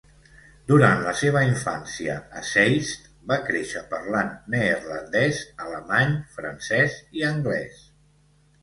Durant la seva infància a Zeist va créixer parlant neerlandès, alemany, francès i anglès.